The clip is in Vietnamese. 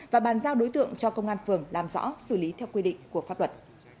và bàn giao đối tượng cho công an phường làm rõ xử lý theo quy định của pháp luật